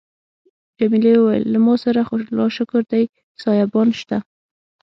جميلې وويل: له ما سره خو لا شکر دی سایبان شته.